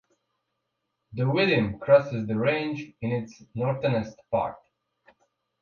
The Vitim crosses the range in its northeastern part.